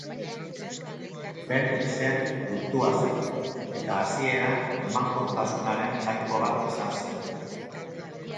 Menfisen gurtua zen, eta hasieran emankortasunaren jainko bat izan zen.